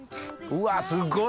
うわっすごい！